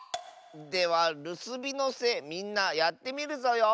では「るすびのせ」みんなやってみるぞよ。